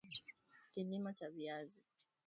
kilimo cha viazi